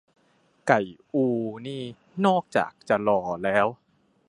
"ไก่อู" นี่ นอกจากจะหล่อแล้ว